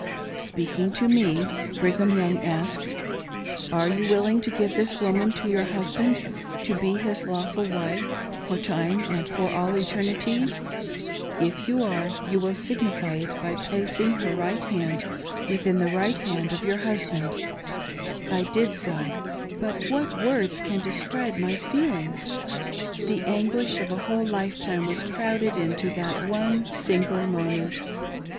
Speaking to me, Brigham Young asked : "Are you willing to give this woman to your husband to be his lawful wife for time and for all eternity ? If you are you will signify it by placing her right hand within the right hand of your husband." I did so ; but what words can describe my feelings ! The anguish of a whole lifetime was crowded into that one single moment.